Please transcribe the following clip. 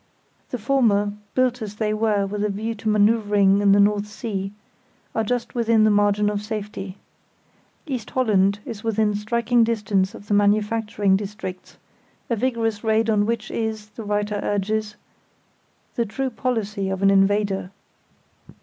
The former, built as they were with a view to manœuvring in the North Sea, are just within the margin of safety. East Holland is within easy striking distance of the manufacturing districts, a vigorous raid on which is, the writer urges, the true policy of an invader.